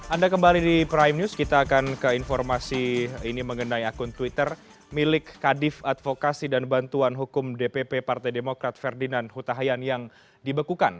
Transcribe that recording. anda kembali di prime news kita akan ke informasi ini mengenai akun twitter milik kadif advokasi dan bantuan hukum dpp partai demokrat ferdinand huta hayan yang dibekukan